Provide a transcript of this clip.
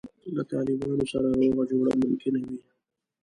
له طالبانو سره روغه جوړه ممکنه وي.